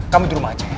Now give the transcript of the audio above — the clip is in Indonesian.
kamu di rumah aja ya